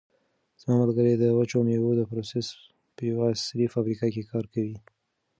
زما ملګری د وچو مېوو د پروسس په یوه عصري فابریکه کې کار کوي.